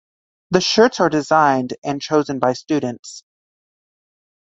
The shirts are designed and chosen by students.